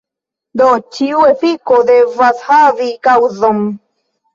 Do, ĉiu efiko devas havi kaŭzon.